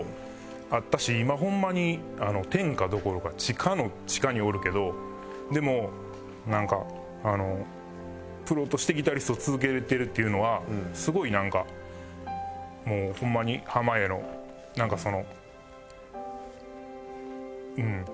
今ホンマに天下どころか地下の地下におるけどでもなんかあのプロとしてギタリスト続けられてるっていうのはすごいなんかもうホンマに濱家のなんかその。